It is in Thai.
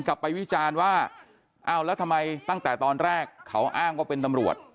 ไปวิจารณ์ว่าอ้าวแล้วทำไมตั้งแต่ตอนแรกเขาอ้างว่าเป็นตำรวจ